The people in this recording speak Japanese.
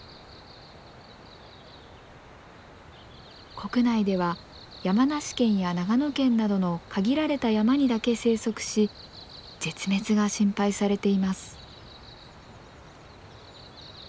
国内では山梨県や長野県などの限られた山にだけ生息し絶滅が心配されています。